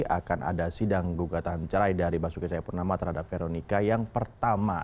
akan ada sidang gugatan cerai dari basuki cahayapurnama terhadap veronica yang pertama